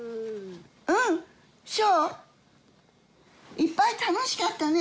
いっぱい楽しかったね。